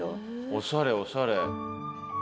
おしゃれおしゃれ。